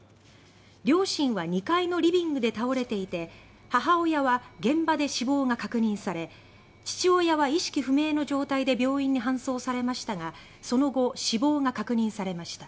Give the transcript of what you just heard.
両親は２階のリビングで倒れていて母親は現場で死亡が確認され父親は意識不明の状態で病院で搬送されましたがその後、死亡が確認されました。